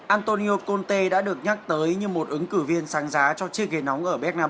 antonio conte đã được nhắc tới như một ứng cử viên sáng giá cho chiếc ghế nóng